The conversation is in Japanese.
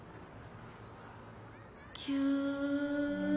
キューン。